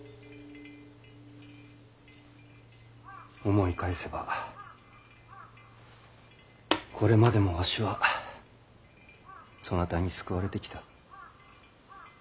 思い返せばこれまでもわしはそなたに救われてきた。